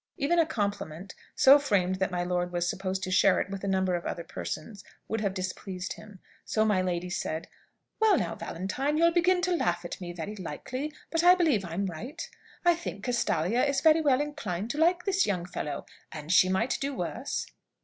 Even a compliment, so framed that my lord was supposed to share it with a number of other persons, would have displeased him. So my lady said, "Well, now, Valentine, you'll begin to laugh at me, very likely, but I believe I'm right. I think Castalia is very well inclined to like this young fellow. And she might do worse."